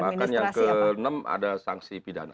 bahkan yang ke enam ada sanksi pidana